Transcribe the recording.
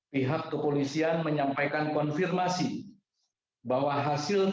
pihak kepolisian menyampaikan konfirmasi bahwa hasil tes dna